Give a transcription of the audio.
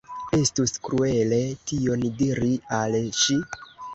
Estus kruele tion diri al ŝi.